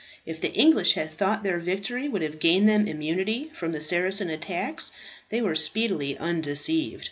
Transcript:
If the English had thought that their victory would have gained them immunity from the Saracen attacks, they were speedily undeceived.